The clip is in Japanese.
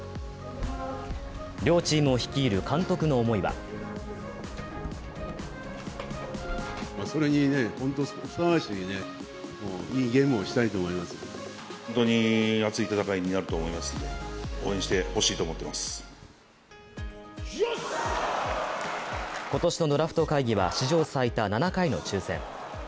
両チームを率いる監督の思いは今年のドラフト会議は史上最多７回の抽選。